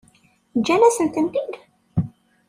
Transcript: Ǧǧan-asent-ten-id?